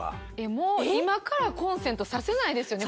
もう今からコンセント挿せないですよね